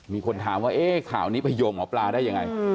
มีคนถามว่าเอ๊ะข่าวนี้ไปโยงหมอปลาได้ยังไง